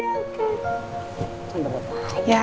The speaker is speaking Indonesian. raina yang jaga